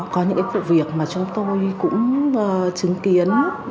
có những vụ việc mà chúng tôi cũng chứng kiến